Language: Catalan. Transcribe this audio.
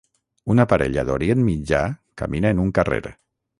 Una parella d'Orient Mitjà camina en un carrer